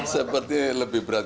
seperti lebih berat